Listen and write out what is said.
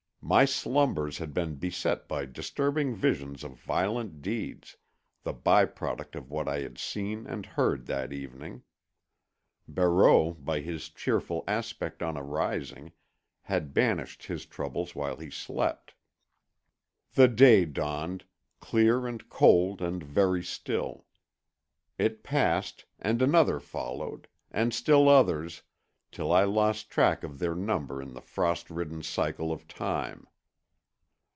My slumbers had been beset by disturbing visions of violent deeds, the by product of what I had seen and heard that evening; Barreau, by his cheerful aspect on arising, had banished his troubles while he slept. The day dawned, clear and cold and very still. It passed, and another followed, and still others, till I lost track of their number in the frost ridden cycle of time.